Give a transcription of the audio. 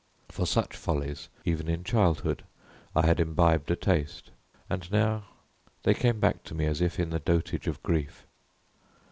For such follies, even in childhood, I had imbibed a taste, and now they came back to me as if in the dotage of grief.